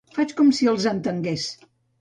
Faig com si els entengués.